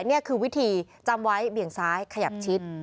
นี่คือวิธีจำไว้เบี่ยงซ้ายขยับชิด